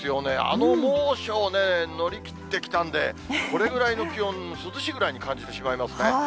あの猛暑を乗り切ってきたんで、これぐらいの気温、涼しいぐらいに感じてしまいますね。